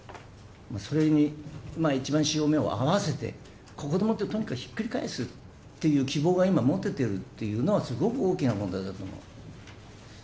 それに、一番潮目を合わせて、ここでもってとにかくひっくり返すっていう希望が今、持ててるっていうのは、すごく大きなことだと思う。